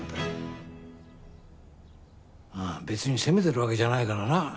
ああ別に責めてるわけじゃないからな。